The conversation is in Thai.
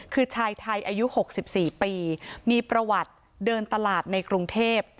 คือชายไทยอายุ๖๔ปีมีประวัติเดินตลาดในกรุงเทพ